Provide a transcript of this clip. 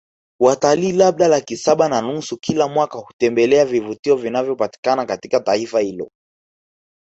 Watalii labda laki saba na nusu kila mwaka kutembelea vivutio vinavyopatikana katika taifa hilo